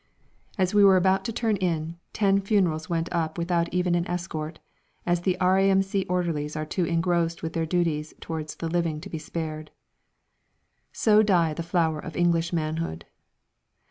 As we were about to turn in, ten funerals went up without even an escort, as the R.A.M.C. orderlies are too engrossed with their duties towards the living to be spared. So die the flower of English manhood!